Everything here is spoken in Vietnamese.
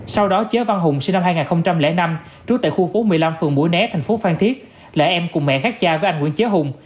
sau đó chế văn hùng sinh năm hai nghìn năm trú tại khu phố một mươi năm phường mũi né thành phố phan thiết là em cùng mẹ khác cha với anh nguyễn chế hùng